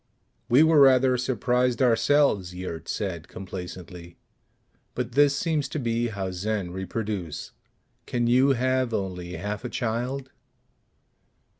_" "We were rather surprised ourselves," Yurt said complacently. "But this seems to be how Zen reproduce. Can you have only half a child?"